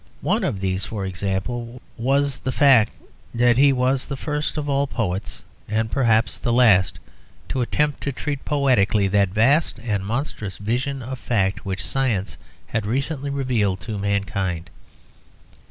One of these, for example, was the fact that he was the first of all poets (and perhaps the last) to attempt to treat poetically that vast and monstrous vision of fact which science had recently revealed to mankind.